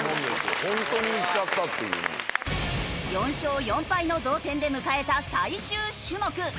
４勝４敗の同点で迎えた最終種目。